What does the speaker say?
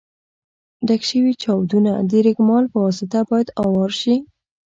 ډک شوي چاودونه د رېګمال په واسطه باید اوار شي.